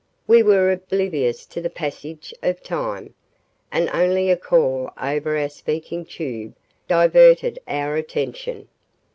We were oblivious to the passage of time, and only a call over our speaking tube diverted our attention.